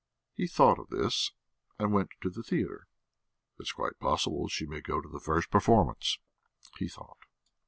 He thought of this and went to the theatre. "It's quite possible she may go to the first performance," he thought.